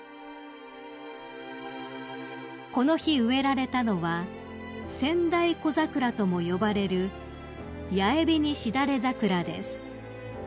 ［この日植えられたのはセンダイコザクラとも呼ばれるヤエベニシダレザクラです］